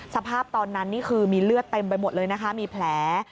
สภาพตอนนั้นมีเลือดเต็มไปหมดเลยมีแผล